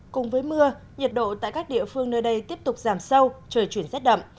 cùng với mưa nhiệt độ tại các địa phương nơi đây tiếp tục giảm sâu trời chuyển rét đậm